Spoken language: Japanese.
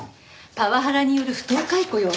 パワハラによる不当解雇よ。